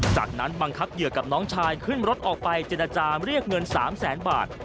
จากนั้นบังคับเหยื่อกับน้องชายขึ้นรถออกไปเจรจาเรียกเงิน๓แสนบาท